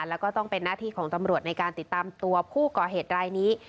แล้วก็ต้องเป็นหน้าที่ของตำรวจในการติดตามตัวผู้ก่อเหตุรายนี้